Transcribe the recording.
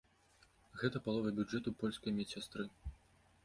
Гэта палова бюджэту польскай медсястры.